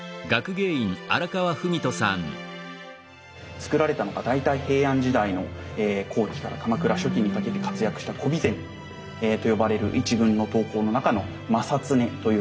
作られたのが大体平安時代の後期から鎌倉初期にかけて活躍した古備前と呼ばれる一群の刀工の中の正恒という刀鍛冶によるものなんですね。